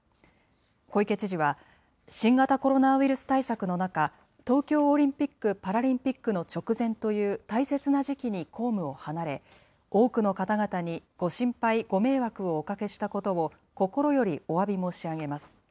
小池知事は、新型コロナウイルス対策の中、東京オリンピック・パラリンピックの直前という大切な時期に公務を離れ、多くの方々にご心配、ご迷惑をおかけしたことを心よりおわび申し上げます。